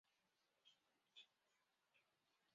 山地树鼩为婆罗洲特有的树鼩属物种。